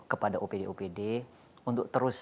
kepada opd opd untuk terus